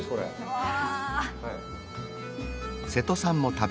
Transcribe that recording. うわ。